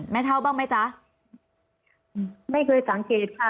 เท่าบ้างไหมจ๊ะไม่เคยสังเกตค่ะ